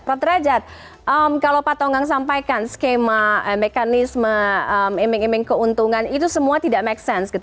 prof drajat kalau pak tonggang sampaikan skema mekanisme keuntungan itu semua tidak make sense